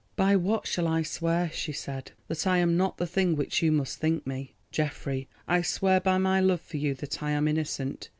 "By what shall I swear," she said, "that I am not the thing which you must think me? Geoffrey, I swear by my love for you that I am innocent.